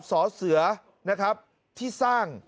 สอเสือที่สร้าง